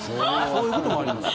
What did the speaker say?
そういうこともあります。